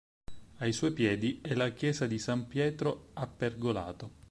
Ai suoi piedi è la chiesa di San Pietro a Pergolato.